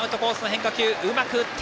変化球うまく打って